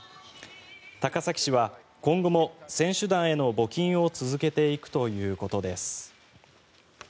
高崎市は今後も選手団への募金を続けていくということです。